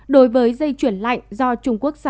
đối với dây chuyển lạnh do trung quốc sản xuất